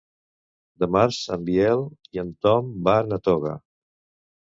Dimarts en Biel i en Tom van a Toga.